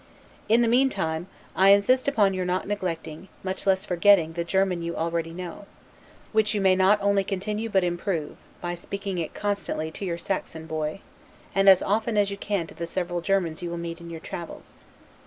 In the mean time, I insist upon your not neglecting, much less forgetting, the German you already know; which you may not only continue but improve, by speaking it constantly to your Saxon boy, and as often as you can to the several Germans you will meet in your travels.